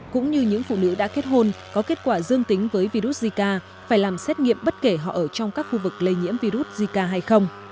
cũng như những phụ nữ đã kết hôn có kết quả dương tính với virus zika phải làm xét nghiệm bất kể họ ở trong các khu vực lây nhiễm virus zika hay không